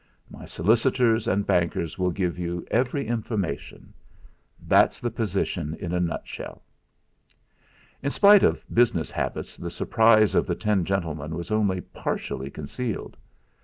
My solicitors and bankers will give you every information. That's the position in a nutshell." In spite of business habits the surprise of the ten gentlemen was only partially concealed.